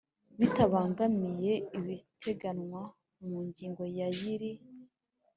Bitabangamiye ibiteganywa mu ngingo ya y iri